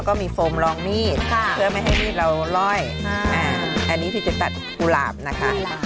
อันนี้พี่จะตัดกุหลาบนะคะ